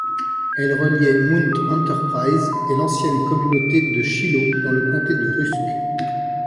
Elle reliait Mount Enterprise et l'ancienne communauté de Shiloh dans le comté de Rusk.